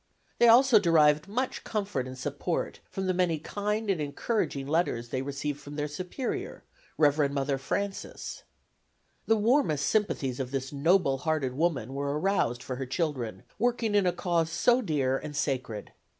They also derived much comfort and support from the many kind and encouraging letters they received from their superior, Rev. Mother Francis. The warmest sympathies of this noble hearted woman were aroused for her children, working in a cause so dear and sacred.